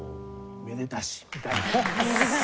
「めでたし」みたいな。